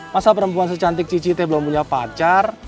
masa perempuan secantik cici teh belum punya pacar